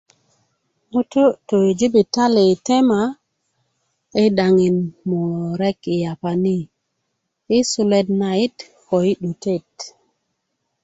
ŋutu' tu yi jibitali yi tema yi daŋin murek yi yapa ni yi suluwet nayit ko yi 'dutet